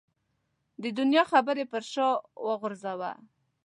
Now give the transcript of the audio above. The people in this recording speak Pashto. د دنیا خبرې پر شا وغورځوه.